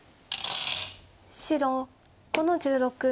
白５の十六。